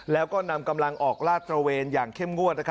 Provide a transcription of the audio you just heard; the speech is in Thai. แล้วก็นำกำลังออกลาดตระเวนอย่างเข้มงวด